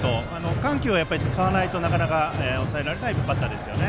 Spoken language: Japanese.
緩急を使わないとなかなか抑えられないバッターですね。